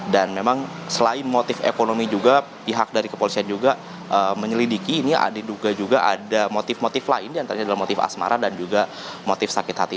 dan memang selain motif ekonomi juga pihak dari kepolisian juga menyelidiki ini ada juga motif motif lain yang terjadi dalam motif asmara dan juga motif sakit hati